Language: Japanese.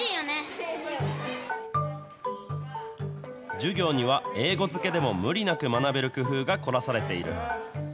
授業には英語漬けでも無理なく学べる工夫が凝らされている。